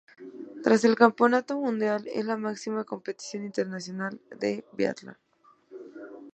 Tras el Campeonato Mundial, es la máxima competición internacional de biatlón.